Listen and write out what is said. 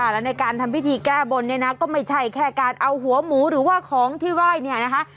และในการทำพิธีแก้บนเนี่ยนะก็ไม่ใช่แค่การเอาหัวหมูหรือว่าของที่ไหว้เนี่ยนะคะ